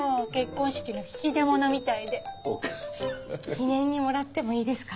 記念にもらってもいいですか？